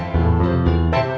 kau mau berangkat